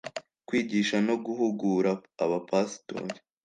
Kwigisha no guhugura abapasitori